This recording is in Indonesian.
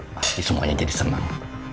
pasti semuanya jadi seneng